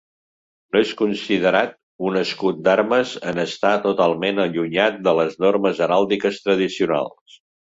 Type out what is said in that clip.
No és considerat un escut d'armes en estar totalment allunyat de les normes heràldiques tradicionals.